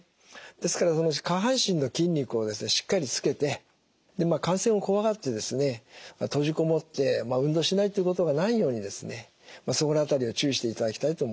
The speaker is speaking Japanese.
ですからその下半身の筋肉をしっかりつけて感染を怖がって閉じこもって運動しないということがないようにそこの辺りを注意していただきたいと思います。